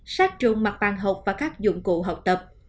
sát trùng mặt bằng học và các dụng cụ học tập